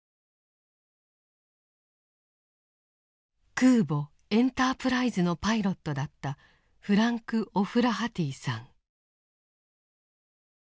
空母「エンタープライズ」のパイロットだったフランク・オフラハティさん。